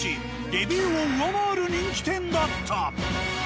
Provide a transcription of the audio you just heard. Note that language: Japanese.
レビューを上回る人気店だった。